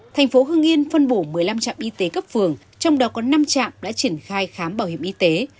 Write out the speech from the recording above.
thành phố hưng yên phân bổ một mươi năm trạm y tế cấp phường trong đó có năm trạm đã triển khai khám bảo hiểm y tế